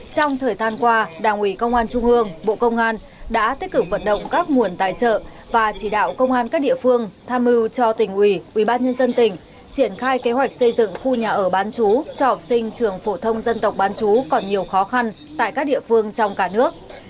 trong thời gian qua đảng ủy công an trung ương bộ công an đã tích cực vận động các nguồn tài trợ và chỉ đạo công an các địa phương tham mưu cho tỉnh ủy ubnd tỉnh triển khai kế hoạch xây dựng khu nhà ở bán chú cho học sinh trường phổ thông dân tộc bán chú còn nhiều khó khăn tại các địa phương trong cả nước